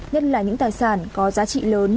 nhất là những tài sản có giá trị lớn